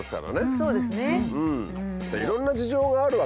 そうですね。